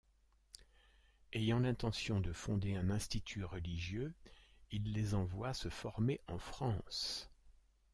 Ayant l’intention de fonder un institut religieux il les envoie se former en France.